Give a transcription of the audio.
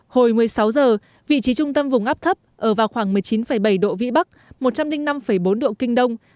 hồi một mươi sáu giờ vị trí trung tâm vùng áp thấp ở vào khoảng một mươi chín bảy độ vĩ bắc một trăm linh năm bốn độ kinh đông